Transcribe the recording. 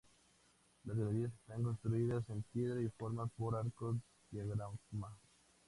Las galerías están construidas en piedra y formadas por arcos diafragma.